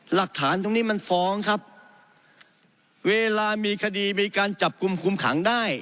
หลักฐานตรงนี้มันฟ้องครับเวลามีคดีมีการจับกลุ่มคุมขังได้